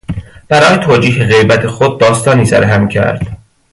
برای توجیه غیبت خود داستانی سرهم کرد.